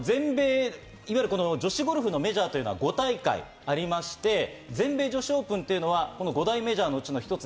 女子ゴルフのメジャーっていうのは５大会ありまして、全米女子オープンというのは五大メジャーのうちの一つ。